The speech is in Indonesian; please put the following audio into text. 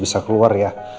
bisa keluar ya